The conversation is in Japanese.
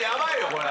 これ。